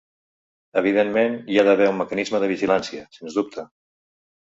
Evidentment, hi ha d’haver un mecanisme de vigilància, sens dubte.